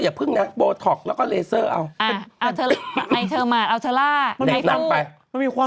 ยังไม่ต้องแบบสาระยากรรมทำโบท็อกไปก่อน